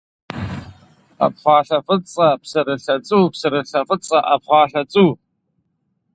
Ӏэпхъуалъэ фӏыцӏэ, псырылъэ цӏу, псырылъэ фӏыцӏэ, ӏэпхъуалъэ цӏу.